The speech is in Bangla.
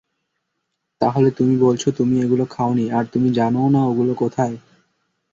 তাহলে তুমি বলছো, তুমি ওগুলো খাওনি আর তুমি জানো না ওগুলো কোথায়?